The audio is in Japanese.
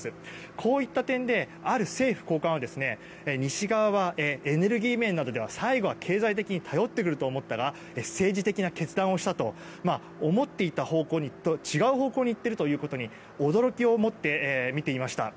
こういった点で、ある政府高官は西側は、エネルギー面などでは最後は経済的に頼ってくると思ったら政治的な決断をしたと思っていた方向と違う方向に行っていることに驚きを持って見ていました。